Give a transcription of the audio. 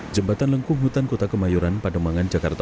jembatan lengkung hutan kota kemayoran